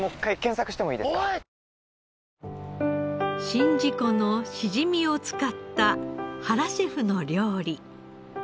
宍道湖のしじみを使った原シェフの料理。